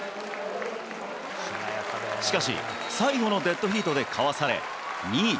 しかし、最後のデッドヒートでかわされ２位。